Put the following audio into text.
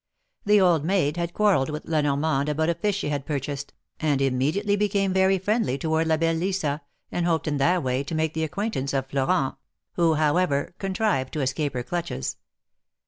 The old maid had quarrelled with La Normande about a fish she had purchased, and immediately became very friendly toward La belle Lisa, and hoped in that way to make the acquaintance of Florent, who, however, contrived to escape her clutches.